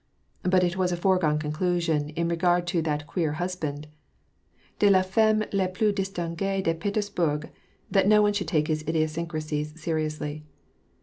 But it was a foregone conclusion in regard to " that queer husband " de lafemme la plus distinguee de Petersbourg, that no one should take his idiosyncrasies seriously.